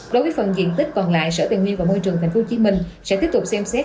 đối với phần diện tích còn lại sở tài nguyên và môi trường tp hcm sẽ tiếp tục xem xét